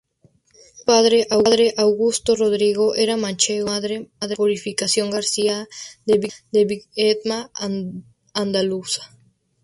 Su padre, Augusto Rodrigo, era manchego y su madre, Purificación García de Biedma, andaluza.